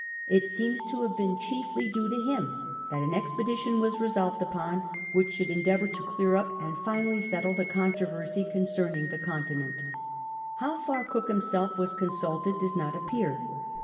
It seems to have been chiefly due to him that an expedition was resolved upon which should endeavour to clear up • and finally settle the controversy concerning the con tinent. How far Cook himself was consulted does not appear.